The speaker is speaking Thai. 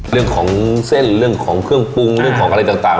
เรื่องของเส้นเรื่องของเครื่องปรุงเรื่องของอะไรต่าง